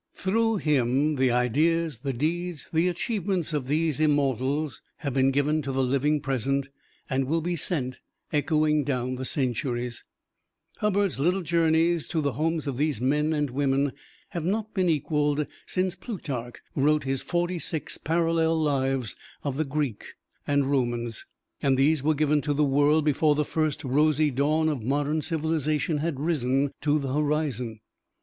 Through him, the ideas, the deeds, the achievements of these immortals have been given to the living present and will be sent echoing down the centuries. Hubbard's Little Journeys to the homes of these men and women have not been equaled since Plutarch wrote his forty six parallel lives of the Greeks and Romans. And these were given to the world before the first rosy dawn of modern civilization had risen to the horizon.